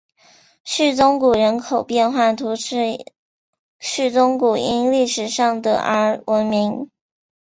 叙宗谷人口变化图示叙宗谷因历史上的而闻名。